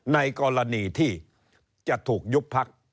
ในกรณีที่จะถูกยุบพัก